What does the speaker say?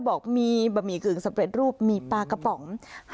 บอกมีบะหมี่กึ่งสำเร็จรูปมีปลากระป๋อง